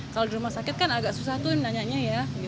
kalau di rumah sakit kan agak susah tuh nanyanya ya